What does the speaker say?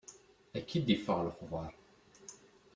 Akka i d-iffeɣ lexbar.